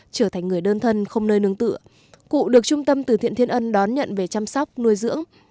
trở thành người đơn thân không nơi nương tựa cụ được trung tâm từ thiện thiên ân đón nhận về chăm sóc nuôi dưỡng